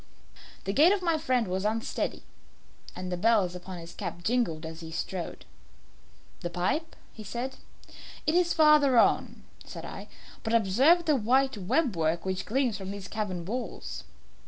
The gait of my friend was unsteady, and the bells upon his cap jingled as he strode. "The pipe," said he. "It is farther on," said I; "but observe the white web work which gleams from these cavern walls."